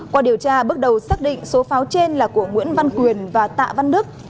qua điều tra bước đầu xác định số pháo trên là của nguyễn văn quyền và tạ văn đức